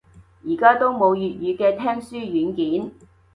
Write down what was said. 而家都冇粵語嘅聽書軟件